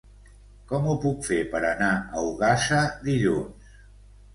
Com ho puc fer per anar a Ogassa dilluns?